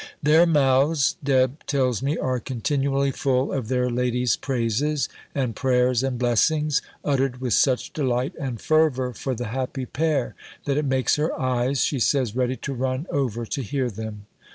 Their mouths, Deb tells me, are continually full of their lady's praises, and prayers, and blessings, uttered with such delight and fervour for the happy pair, that it makes her eyes, she says, ready to run over to hear them.